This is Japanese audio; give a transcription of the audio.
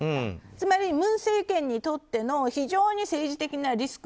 つまり、文政権にとっての非常に政治的なリスク